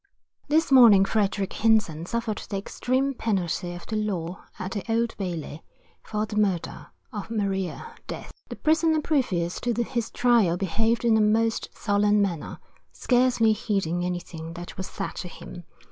This morning Frederick Hinson suffered the extreme penalty of the law at the Old Bailey, for the murder of Maria Death. The prisoner previous to his trial behaved in a most sullen manner, scarcely heeding anything that was said to him.